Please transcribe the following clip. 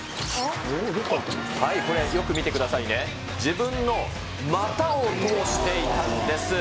これ、よく見てくださいね、自分の股を通していたんです。